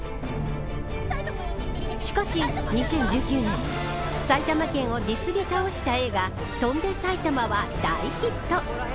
しかし２０１９年埼玉県をディスり倒した映画翔んで埼玉は大ヒット。